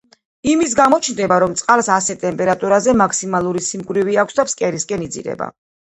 იმის გამო ჩნდება, რომ წყალს ასეთ ტემპერატურაზე მაქსიმალური სიმკვრივე აქვს და ფსკერისკენ „იძირება“.